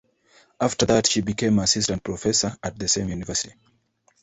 After that, she became assistant professor at the same university.